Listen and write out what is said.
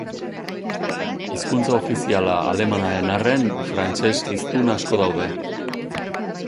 Hizkuntza ofiziala alemana den arren, frantses-hiztun asko daude.